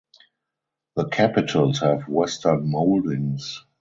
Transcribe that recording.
The capitals have western moldings.